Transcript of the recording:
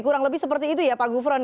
kurang lebih seperti itu ya pak gufron